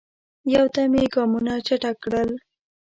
یو دم یې ګامونه چټک کړل.